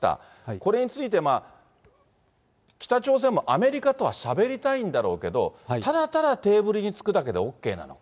これについて、北朝鮮もアメリカとはしゃべりたいんだろうけど、ただただテーブルにつくだけでＯＫなのか。